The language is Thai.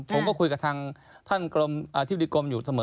ผมขอคุยกับที่บริกรมอยู่เดือน